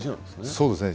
そうですね。